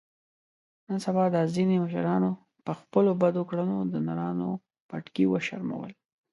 نن سبا دا ځنې مشرانو په خپلو بدو کړنو د نرانو پټکي و شرمول.